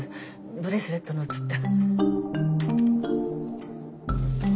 ブレスレットの写った。